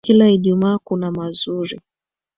Kila ijumaa kuna mazuri.